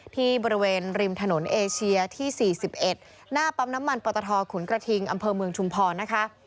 ที่บริเวณริมถนนเอเชียที่๔๑หน้าปั๊มน้ำมันปตทขุนกระทิงอำเภอเมืองชุมพรนะคะ